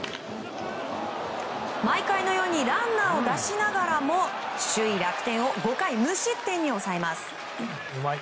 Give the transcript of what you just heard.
毎回のようにランナーを出しながらも首位、楽天を５回無失点に抑えます。